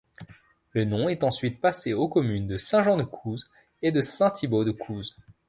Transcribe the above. Le nom est ensuite passé aux communes de Saint-Jean-de-Couz et de Saint-Thibaud-de-Couz.